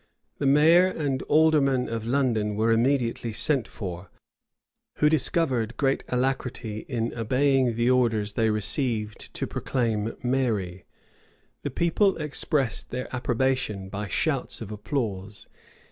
The mayor and aldermen of London were immediately sent for, who discovered great alacrity in obeying the orders they received to proclaim Mary. The people expressed their approbation by shouts of applause.